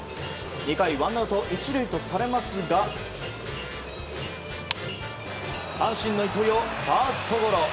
２回ワンアウト１塁とされますが阪神の糸井をファーストゴロ。